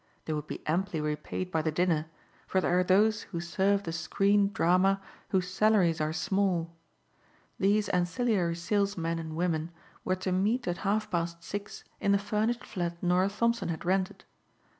They would be amply repaid by the dinner; for there are those who serve the screened drama whose salaries are small. These ancilliary salesmen and women were to meet at half past six in the furnished flat Norah Thompson had rented.